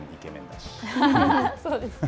そうですね。